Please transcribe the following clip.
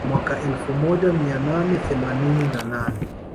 Mwaka elfu moja mia nane themanini na nane